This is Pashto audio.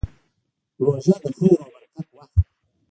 روژه د خیر او برکت وخت دی.